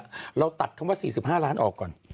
เงินโอเคละเราตัดคำว่า๔๕ล้านออกก่อน